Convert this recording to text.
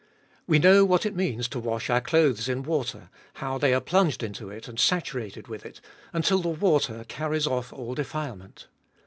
We know what it means to wash our clothes in water, how they are plunged into it and saturated with it, until the water carries off all defilement.